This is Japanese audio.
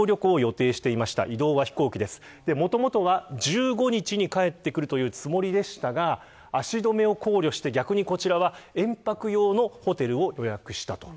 もともとは１５日に帰ってくる予定でしたが足止めを考慮して延泊用のホテルを予約した。